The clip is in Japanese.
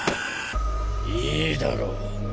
いいだろう。